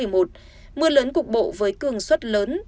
mưa lớn cục bộ với cường suất lớn